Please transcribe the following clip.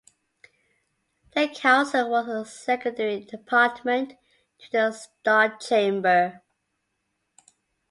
The council was a secondary department to the Star Chamber.